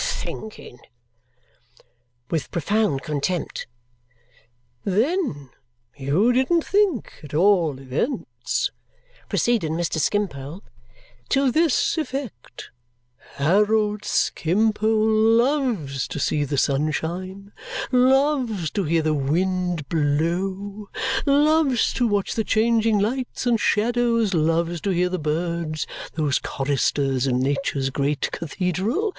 Thinking!" (with profound contempt). "Then you didn't think, at all events," proceeded Mr. Skimpole, "to this effect: 'Harold Skimpole loves to see the sun shine, loves to hear the wind blow, loves to watch the changing lights and shadows, loves to hear the birds, those choristers in Nature's great cathedral.